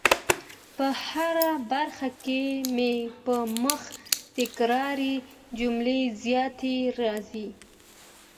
په هره برخه کي مي په مخ تکراري جملې زیاتې راځي